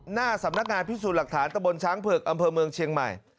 หน้าสำนักงานพิสูจน์หลักฐานตะบนช้างเผือกอำเภอเมืองเชียงใหม่